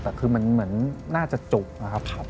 แต่คือมันเหมือนน่าจะจุกนะครับ